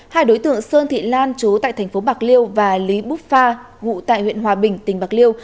hai đối tượng sơn thị lan chú tại thành phố bạc liêu và lý búp pha ngụ tại huyện hòa bình tỉnh bạc liêu